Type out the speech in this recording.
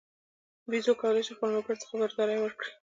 بیزو کولای شي خپلو ملګرو ته خبرداری ورکړي.